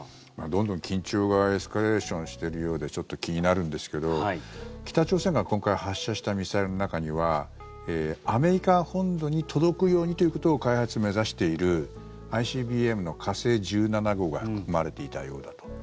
どんどん緊張がエスカレーションしているようでちょっと気になるんですけど北朝鮮が今回発射したミサイルの中にはアメリカ本土に届くようにということを開発を目指しているＩＣＢＭの火星１７号が含まれていたようだと。